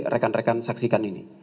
rekan rekan saksikan ini